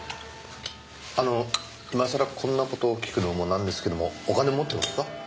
あの今さらこんな事を聞くのもなんですけどもお金持ってますか？